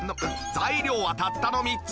材料はたったの３つ。